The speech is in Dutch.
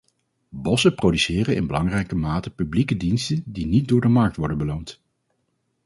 Bossen produceren in belangrijke mate publieke diensten die niet door de markt worden beloond.